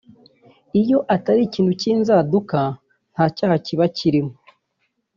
iyo atari ikintu cy’inzaduka nta cyaha kiba kirimo